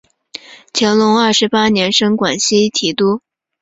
乾隆二十八年升广西提督。